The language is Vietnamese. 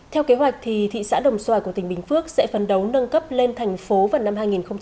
theo kế hoạch thì thị xã đồng xoài của tỉnh bình phước sẽ phấn đấu nâng cấp lên thành phố vào năm hai nghìn một mươi tám